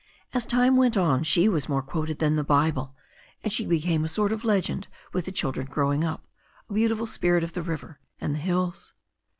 As time went on she was more quoted than the Bible, and she became a sort of legend with the children growing up, a beautiful spirit of the river and the hills.